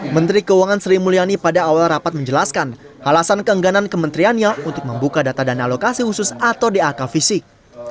menteri keuangan sri mulyani pada awal rapat menjelaskan alasan keengganan kementeriannya untuk membuka data dana alokasi khusus atau dak fisik